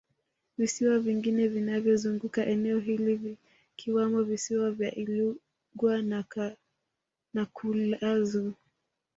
Visiwa vingine vinavyozunguka eneo hili vikiwamo Visiwa vya Ilugwa na Kulazu